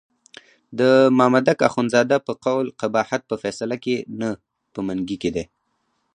د مامدک اخندزاده په قول قباحت په فیصله کې نه په منګي کې دی.